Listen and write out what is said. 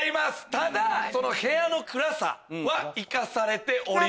ただ部屋の暗さは生かされております。